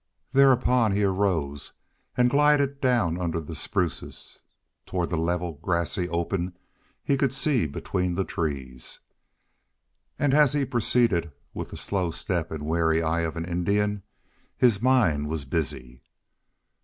Thereupon he arose and glided down under the spruces toward the level, grassy open he could see between the trees. And as he proceeded, with the slow step and wary eye of an Indian, his mind was busy.